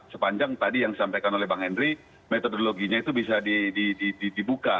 sepanjang tadi yang disampaikan oleh bang henry metodologinya itu bisa dibuka